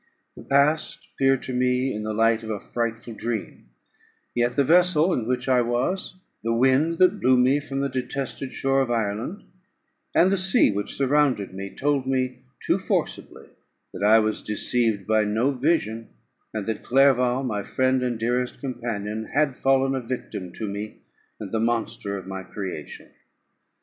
The past appeared to me in the light of a frightful dream; yet the vessel in which I was, the wind that blew me from the detested shore of Ireland, and the sea which surrounded me, told me too forcibly that I was deceived by no vision, and that Clerval, my friend and dearest companion, had fallen a victim to me and the monster of my creation.